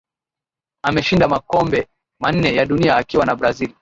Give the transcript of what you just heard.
Ameshinda makombe manne ya dunia akiwa na Brazil